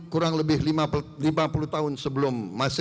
kurang lebih lima puluh tahun sebelum